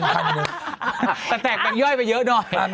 แต่แตกถึงย้อยไปเยอะหน่อย